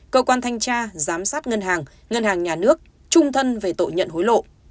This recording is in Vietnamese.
cơ quan thanh tra giám sát ngân hàng ngân hàng nhà nước trung thân về tội nhận hối lộ